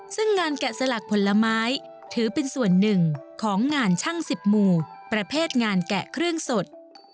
ซึ่งงานแกะสลักผลไม้ถือเป็นส่วนหนึ่งของงานช่างสิบหมู่ประเภทงานแกะเครื่องสด